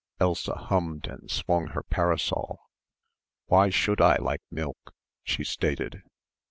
Elsa hummed and swung her parasol. "Why should I like milk?" she stated.